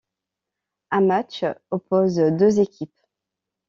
Un match oppose deux équipes.